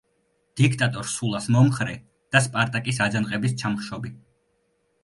დიქტატორ სულას მომხრე და სპარტაკის აჯანყების ჩამხშობი.